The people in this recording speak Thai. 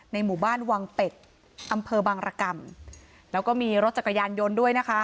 หมู่บ้านวังเป็ดอำเภอบางรกรรมแล้วก็มีรถจักรยานยนต์ด้วยนะคะ